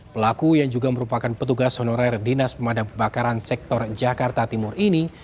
pelaku yang juga merupakan petugas honorer dinas pemadam kebakaran sektor jakarta timur ini